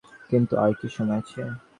কিন্তু, আর কি সময় আছে?